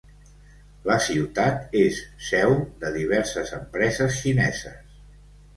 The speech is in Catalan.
La ciutat és seu de diverses empreses xineses.